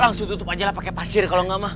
langsung tutup aja lah pakai pasir kalau nggak mah